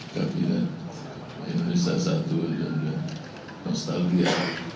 tapi ini salah satu dan dua nostalgia